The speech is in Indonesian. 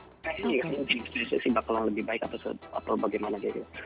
seseorang di pssi bakalan lebih baik atau bagaimana